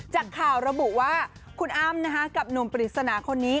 จากข่าวระบุว่าคุณอ้ำกับหนุ่มปริศนาคนนี้